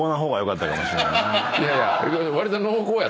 いやいや。